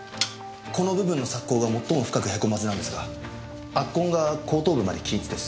この部分の索溝が最も深くへこむはずなんですが圧痕が後頭部まで均一です。